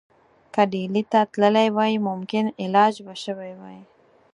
که ډهلي ته تللی وای ممکن علاج به شوی وای.